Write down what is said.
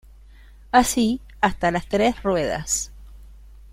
Así hasta las tres ruedas.